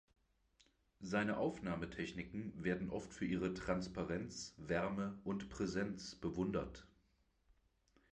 Seine Aufnahmetechniken werden oft für ihre Transparenz, Wärme und Präsenz bewundert.